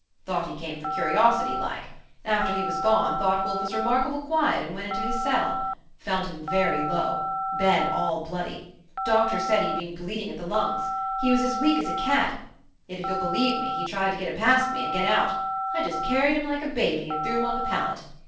Thought he came for curiosity, like. After he was gone, thought Wolfe was remarkable quiet, and went into his cell. Found him very low; bed all bloody. Doctor said he had been bleeding at the lungs. He was as weak as a cat; yet if ye'll b'lieve me, he tried to get a past me and get out. I just carried him like a baby, and threw him on the pallet.